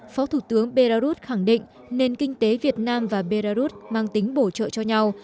phó thủ tướng belarus khẳng định nền kinh tế việt nam và belarus mang tính bổ trợ cho nhau